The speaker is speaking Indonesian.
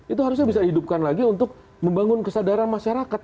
itu harusnya bisa dihidupkan lagi untuk membangun kesadaran masyarakat